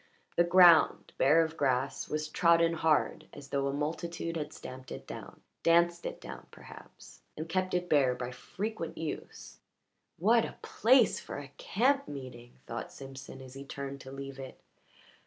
The ground, bare of grass, was trodden hard, as though a multitude had stamped it down danced it down, perhaps and kept it bare by frequent use. "What a place for a camp meeting!" thought Simpson as he turned to leave it.